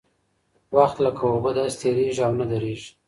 وخت لکه اوبه داسې تېرېږي او نه درېږي.